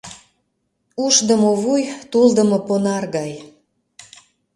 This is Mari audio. Ушдымо вуй тулдымо понар гай.